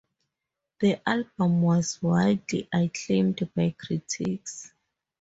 The album was widely acclaimed by critics.